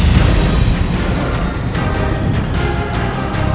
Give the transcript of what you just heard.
siliwangi aku sudah menemukan siliwangi